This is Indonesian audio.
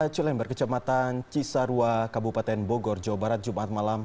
cilember kecamatan cisarua kabupaten bogor jawa barat jumat malam